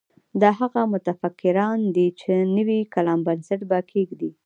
دا هغه متفکران دي چې نوي کلام بنسټ به کېږدي.